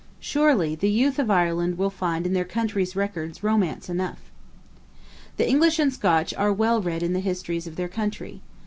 Surely the Youth of Ireland will find in their country's records romance enough! The English and Scotch are well read in the histories of their country.